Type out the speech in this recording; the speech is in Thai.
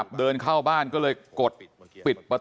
เพราะหันจะไปกดล็อกรถนี้รถล็อกไม่ได้